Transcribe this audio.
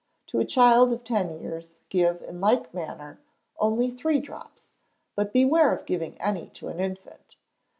To a child of ten years give, in like manner, only three drops, but beware of giving any to an infant.